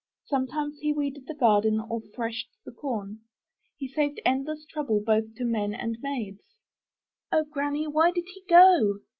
Sometimes he weeded the garden or threshed the corn. He saved endless trouble both to men and maids." "O Granny! Why did he go?"